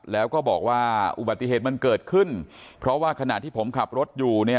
แล้วก็บอกว่าอุบัติเหตุมันเกิดขึ้นเพราะว่าขณะที่ผมขับรถอยู่เนี่ย